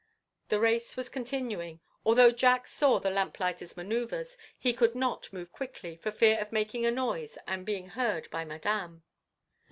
The race was continuing. Although Jack saw the lamplighter's manoeuvre, he could not move quickly, for fear of making a noise and being heard by Madame.